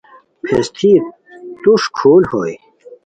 پھیستی توݰ کھل ہوئے